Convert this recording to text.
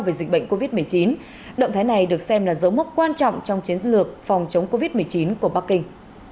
về dịch bệnh covid một mươi chín động thái này được xem là dấu mốc quan trọng trong chiến lược phòng chống covid một mươi chín của bắc kinh